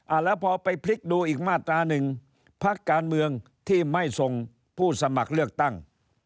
แล้วพอไปพลิกดูอีกมาตราหนึ่งพักการเมืองที่ไม่ส่งผู้สมัครเลือกตั้ง